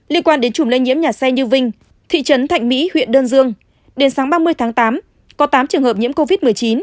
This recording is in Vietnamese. liên quan đến chùm lây nhiễm nhà xe như vinh thị trấn thạnh mỹ huyện đơn dương đến sáng ba mươi tháng tám có tám trường hợp nhiễm covid một mươi chín